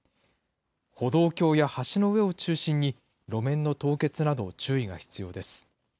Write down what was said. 歩道橋や橋の上を中心に、路面の凍結など注意が必要です。